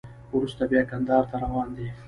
وروسته بیا کندهار ته روان دی.